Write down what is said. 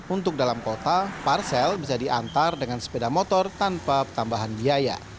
untuk dalam kota parsel bisa diantar dengan sepeda motor tanpa pertambahan biaya